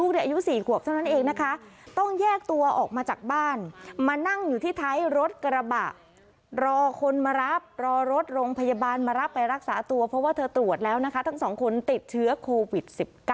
ที่ไทยรถกระสบะรอคนมารับรอรถโรงพยาบาลมารับไปรักษาตัวเพราะว่าเธอตรวจแล้วนะคะทั้งสองคนติดเชื้อโควิด๑๙